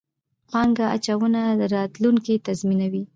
پانګه اچونه، راتلونکی تضمینوئ